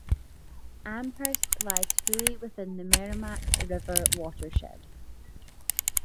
Amherst lies fully within the Merrimack River watershed.